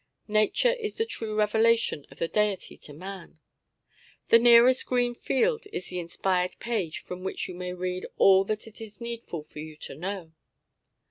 Nature is the true revelation of the Deity to man. The nearest green field is the inspired page from which you may read all that it is needful for you to know.